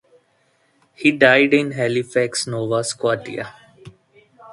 He died in Halifax, Nova Scotia.